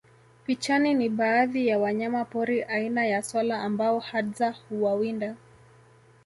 Pichani ni baadhi ya wanyama pori aina ya swala ambao Hadza huwawinda